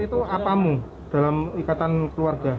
itu apamu dalam ikatan keluarga